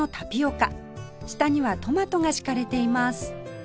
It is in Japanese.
下にはトマトが敷かれています